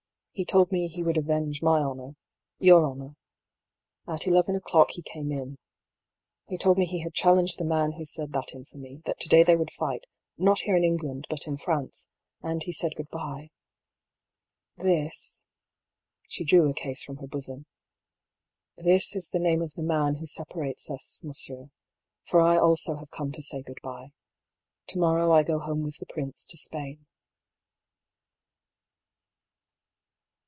He told me he would avenge my honour — your honour. At eleven o'clock he came in. He told me he had challenged the man who said that infamy ; that to day they would fight, not here in Englaud, but in Prance ; and he said good bye. ... This" (she drew a case from her bosom), "this is the name of the man who separates us, monsieur, for I also have come to say good bye. To morrow I go home with the prince to Spain."